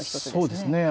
そうですね。